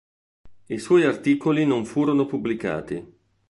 I suoi articoli non furono pubblicati".